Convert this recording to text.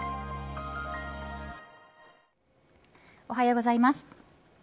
おはようございます。